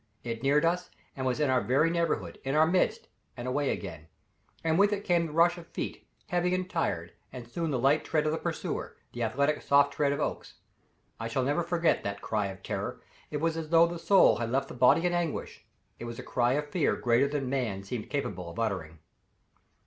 It neared us and was in our very neighborhood in our midst and again away; and with it came the rush of feet, heavy and tired, and soon the light tread of the pursuer the athletic, soft tread of Oakes. I shall never forget that cry of terror. It was as though the soul had left the body in anguish it was a cry of fear greater than man seemed capable of uttering.